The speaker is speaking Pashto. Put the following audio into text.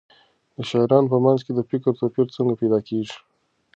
د شاعرانو په منځ کې د فکر توپیر څنګه پیدا کېږي؟